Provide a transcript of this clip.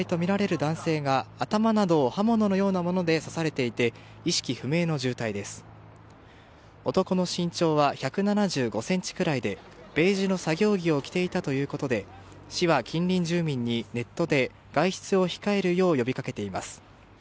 男の身長は１７５ｃｍくらいでベージュの作業着を着ていたということで市は近隣住民にネットで外出を控えるよう呼びかけています。